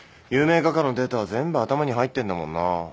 有名画家のデータは全部頭に入ってんだもんなぁ。